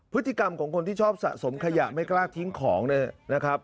พฤติกรรมของคนที่ชอบสะสมขยะไม่กล้าทิ้งของนะครับ